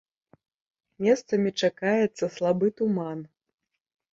Месцамі чакаецца слабы туман.